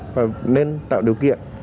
và nên tạo điều kiện